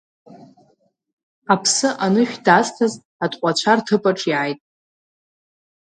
Аԥсы анышә дазҭаз атҟәацәа рҭыԥаҿ иааит.